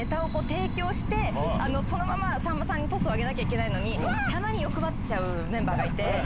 そのままさんまさんにトスを上げなきゃいけないのにたまに欲張っちゃうメンバーがいて。